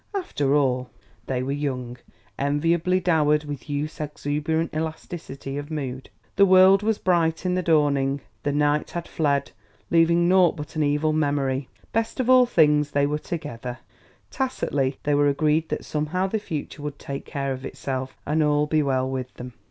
After all, they were young, enviably dowered with youth's exuberant elasticity of mood; the world was bright in the dawning, the night had fled leaving naught but an evil memory; best of all things, they were together: tacitly they were agreed that somehow the future would take care of itself and all be well with them.